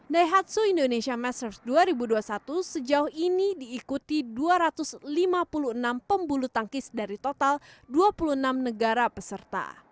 daihatsu indonesia masters dua ribu dua puluh satu sejauh ini diikuti dua ratus lima puluh enam pembulu tangkis dari total dua puluh enam negara peserta